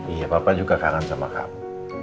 iya bapak juga kangen sama kamu